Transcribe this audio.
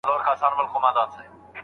پلار هیڅکله د خپلي لور تاوان نه غواړي.